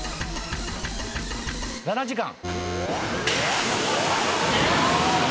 ７時間。